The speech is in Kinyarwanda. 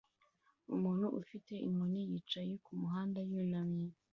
Umuntu ufite inkoni yicaye kumuhanda yunamye